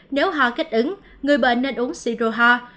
nếu ho kích ứng người bệnh nên uống si rô ho